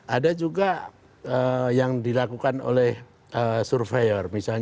ada juga yang dilakukan oleh surveyor misalnya smrc kan mereka juga kebutuhan dalam pengadilan